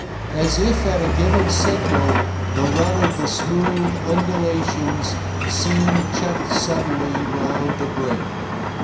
As if at a given signal, the run of the smooth undulations seemed checked suddenly around the brig.